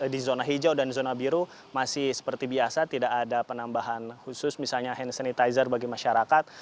di zona hijau dan zona biru masih seperti biasa tidak ada penambahan khusus misalnya hand sanitizer bagi masyarakat